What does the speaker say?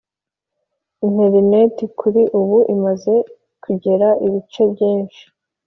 interineti kuri ubu imaze kugera bice byinshi